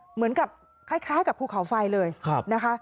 เหมือนกับคล้ายกับภูเขาไฟเลยนะคะ